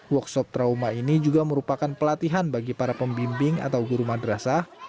workshop trauma ini juga merupakan pelatihan bagi para pembimbing atau guru madrasah